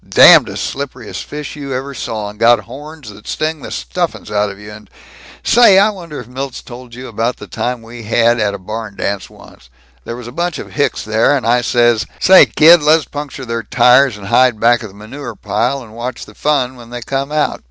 Damnedest slipperiest fish you ever saw, and got horns that sting the stuffin's out of you and Say, I wonder if Milt's told you about the time we had at a barn dance once? There was a bunch of hicks there, and I says, 'Say, kid, lez puncture their tires, and hide back of the manure pile, and watch the fun when they come out.'